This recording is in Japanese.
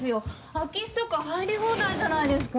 空き巣とか入り放題じゃないですか。